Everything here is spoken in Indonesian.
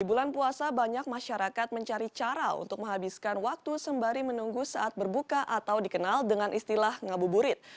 di bulan puasa banyak masyarakat mencari cara untuk menghabiskan waktu sembari menunggu saat berbuka atau dikenal dengan istilah ngabuburit